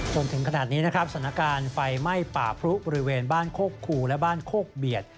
จนถึงขนาดนี้นะครับสถานการณ์ไฟไหม้ป่าพรุบริเวณบ้านโคกคูและบ้านโคกเบียด